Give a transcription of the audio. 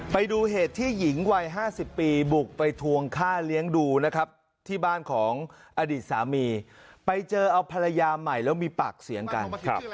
ไปดูเหตุที่หญิงวัย๕๐ปีบุกไปทวงค่าเลี้ยงดูนะครับที่บ้านของอดีตสามีไปเจอเอาภรรยาใหม่แล้วมีปากเสียงกัน